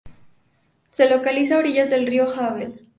Se localiza a orillas del Río Havel.